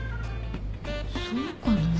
そうかな？